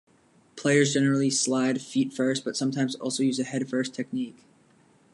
Players generally slide feet-first but sometimes also use a head-first technique.